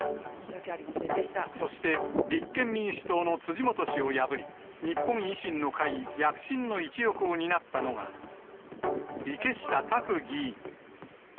そして立憲民主党の辻元氏を破り、日本維新の会躍進の一翼を担ったのが、池下卓議員。